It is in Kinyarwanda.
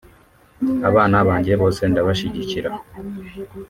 Abana banjye bose ndabashyigikira